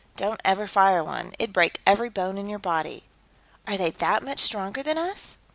Don't ever fire one; it'd break every bone in your body." "Are they that much stronger than us?"